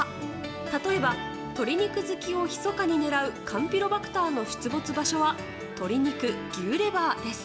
例えば鶏肉好きをひそかに狙うカンピロバクターの出没場所は鶏肉、牛レバーです。